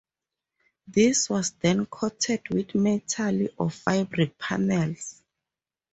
This was then coated with metal or fabric panels.